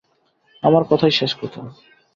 আমার কথাই শেষ কথা।